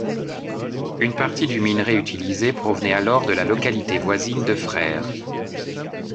Une partie du minerai utilisé provenait alors de la localité voisine de Fraire.